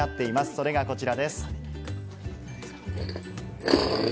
それがこちらです。